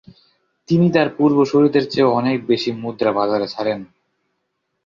তিনি তার পূর্বসূরীদের চেয়েও অনেক বেশি মুদ্রা বাজারে ছাড়েন।